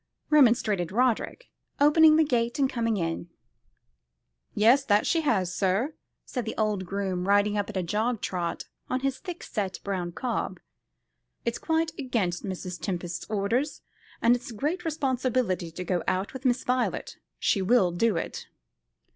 remonstrated Roderick, opening the gate and coming in. "Yes, that she has, sir," said the old groom, riding up at a jog trot on his thickset brown cob. "It's quite against Mrs. Tempest's orders, and it's a great responsibility to go out with Miss Violet. She will do it."